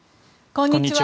こんにちは。